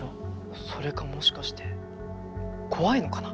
それかもしかして怖いのかな？